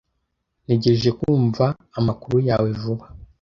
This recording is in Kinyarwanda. Ntegereje kumva amakuru yawe vuba.